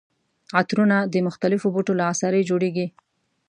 عطرونه د مختلفو بوټو له عصارې جوړیږي.